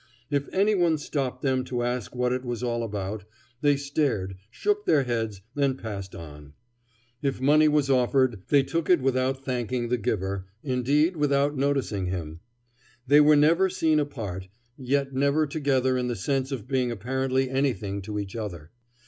If any one stopped them to ask what it was all about, they stared, shook their heads, and passed on. If money was offered, they took it without thanking the giver; indeed, without noticing him. They were never seen apart, yet never together in the sense of being apparently anything to each other.